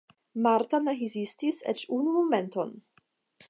Marta ne hezitis eĉ unu momenton.